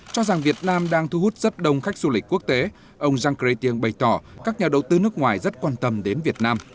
cho rằng việt nam đang thu hút rất đông khách du lịch quốc tế ông jean chrétien bày tỏ các nhà đầu tư nước ngoài rất quan tâm đến việt nam